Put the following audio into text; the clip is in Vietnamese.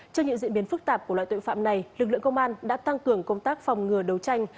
trước những diễn biến phức tạp của loại tội phạm này lực lượng công an đã tăng cường công tác phòng ngừa đấu tranh